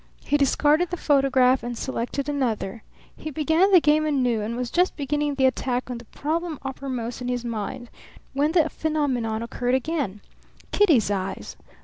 He discarded the photograph and selected another. He began the game anew and was just beginning the attack on the problem uppermost in his mind when the phenomenon occurred again. Kitty's eyes!